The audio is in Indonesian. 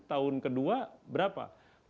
tahun kedua berapa